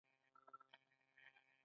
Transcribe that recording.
اوومه برخه جیوډیزي انجنیری ده.